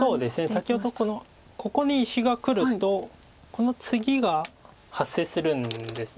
先ほどこのここに石がくるとこのツギが発生するんです。